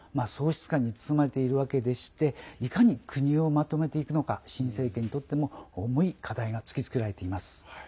喪失感に包まれているわけでしていかに国をまとめていくのか新政権にとっても重い課題が突きつけられています。